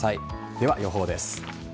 では、予報です。